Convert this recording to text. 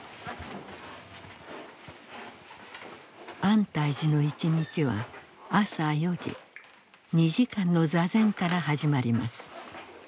安泰寺の一日は朝４時２時間の坐禅から始まります。